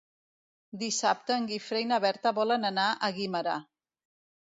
Dissabte en Guifré i na Berta volen anar a Guimerà.